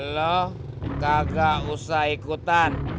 lo kagak usah ikutan